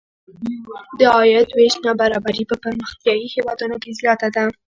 د عاید وېش نابرابري په پرمختیايي هېوادونو کې زیاته ده.